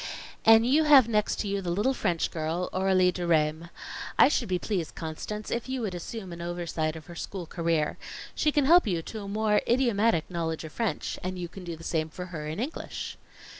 "And you have next to you the little French girl, Aurelie Deraismes. I should be pleased, Constance, if you would assume an oversight of her school career. She can help you to a more idiomatic knowledge of French and you can do the same for her in English.